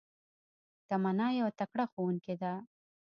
تمنا يو تکړه ښوونکي ده